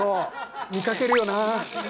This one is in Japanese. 見かけるよな。